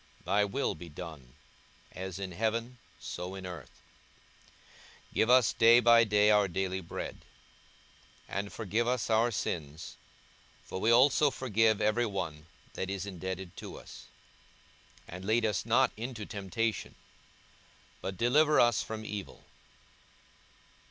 Thy will be done, as in heaven, so in earth. 42:011:003 Give us day by day our daily bread. 42:011:004 And forgive us our sins; for we also forgive every one that is indebted to us. And lead us not into temptation; but deliver us from evil.